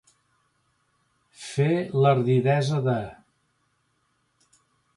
Fer l'ardidesa de.